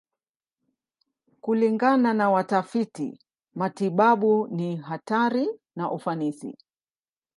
Kulingana na watafiti matibabu, ni hatari na ufanisi.